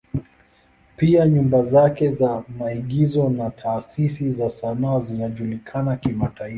Pia nyumba zake za maigizo na taasisi za sanaa zinajulikana kimataifa.